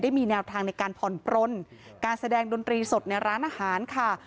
มีแนวทางในการผ่อนปลนการแสดงดนตรีสดในร้านอาหารค่ะ